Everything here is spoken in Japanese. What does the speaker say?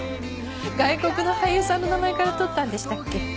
外国の俳優さんの名前から取ったんでしたっけ？